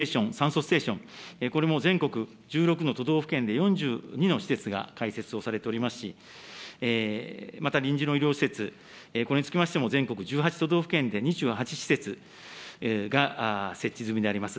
そうした中でご指摘の入院待機ステーション、酸素ステーション、これも全国１６の都道府県で４２の施設が開設をされておりますし、また臨時の医療施設、これにつきましても、全国１８都道府県で２８施設が設置済みであります。